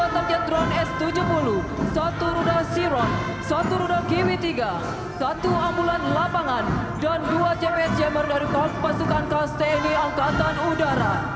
dua target drone s tujuh puluh satu rudah xerox satu rudah kiwi tiga satu ambulan lapangan dan dua gps jammer dari korps pasukan kast tni angkatan udara